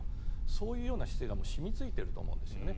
そういうような姿勢が染みついていると思うんですね。